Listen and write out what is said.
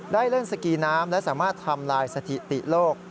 ได้เล่นสกีน้ำและสามารถทำลายสถิติโลก